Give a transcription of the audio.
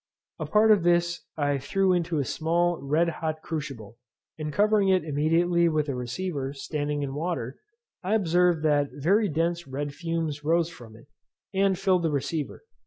A part of this I threw into a small red hot crucible; and covering it immediately with a receiver, standing in water, I observed that very dense red fumes rose from it, and filled the receiver.